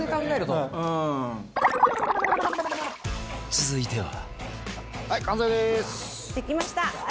続いては